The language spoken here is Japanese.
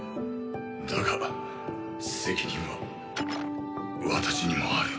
だが責任は私にもある。